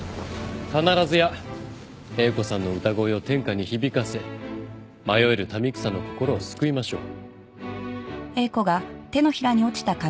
必ずや英子さんの歌声を天下に響かせ迷える民草の心を救いましょう。